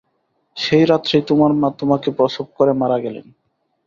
সেই রাত্রেই তোমার মা তোমাকে প্রসব করে মারা গেলেন।